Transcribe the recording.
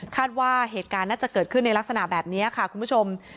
ว่าเหตุการณ์น่าจะเกิดขึ้นในลักษณะแบบนี้ค่ะคุณผู้ชม